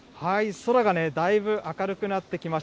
空がね、だいぶ明るくなってきました。